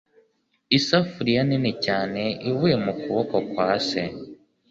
isafuriya nini cyane ivuye mu kuboko kwa se